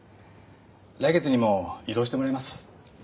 来月にも異動してもらいます。